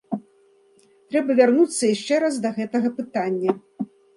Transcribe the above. Трэба вярнуцца яшчэ раз да гэтага пытання.